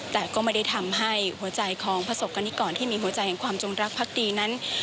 แต่ก็ไม่ได้ทำให้หัวใจของประสบกรณิกรที่มีหัวใจแห่งความจงรักพักดีนั้น